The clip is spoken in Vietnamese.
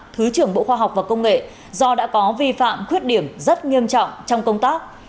thứ trưởng bộ khoa học và công nghệ do đã có vi phạm khuyết điểm rất nghiêm trọng trong công tác